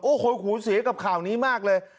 โอ้โหหูเสียกับข่าวนี้มากเลย